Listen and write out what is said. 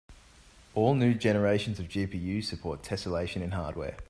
All new generations of GPUs support tesselation in hardware.